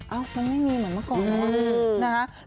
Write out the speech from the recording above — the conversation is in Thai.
เอ้ามันไม่มีเหมือนเมื่อก่อนนะคะ